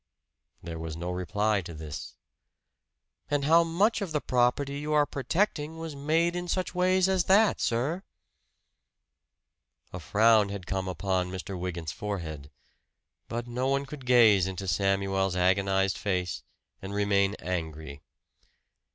There was no reply to this. "And how much of the property you are protecting was made in such ways as that, sir?" A frown had come upon Mr. Wygant's forehead. But no one could gaze into Samuel's agonized face and remain angry.